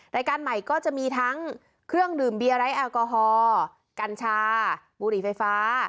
รายการใหม่ก็จะมีทั้งเครื่องดื่มเบียร์ไร้แอลกอฮอล์กัญชาบุหรี่ไฟฟ้า